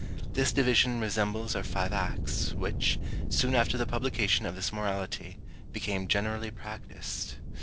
This division resembles our five acts, which, soon after the publication of this Morality, became generally practised.